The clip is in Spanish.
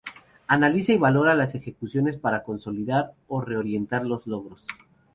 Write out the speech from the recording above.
Analiza y valora las ejecuciones para consolidar o reorientar los logros.